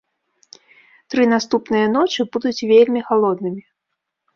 Тры наступныя ночы будуць вельмі халоднымі.